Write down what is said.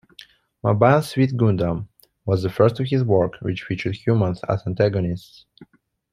"Mobile Suit Gundam" was the first of his work which featured humans as antagonists.